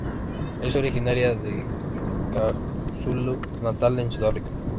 Es originaria de KwaZulu-Natal, en Sudáfrica.